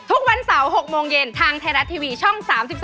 ทุกวันเสาร์๖โมงเย็นทางไทยรัฐทีวีช่อง๓๒